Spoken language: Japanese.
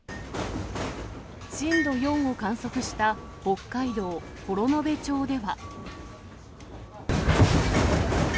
震度４を観測した北海道幌延町では。